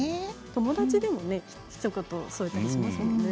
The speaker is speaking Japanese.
友達でもひと言添えたりしますよね。